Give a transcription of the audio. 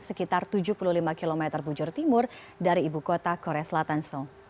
sekitar tujuh puluh lima km bujur timur dari ibu kota korea selatan seoul